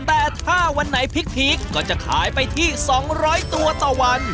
แต่ถ้าวันไหนพริกก็จะขายไปที่๒๐๐ตัวต่อวัน